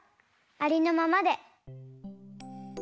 ありのまま。